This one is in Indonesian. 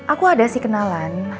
aku ada sih kenalan